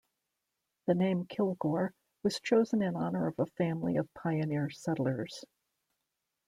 The name Kilgore was chosen in honor of a family of pioneer settlers.